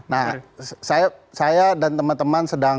nah saya dan teman teman sedang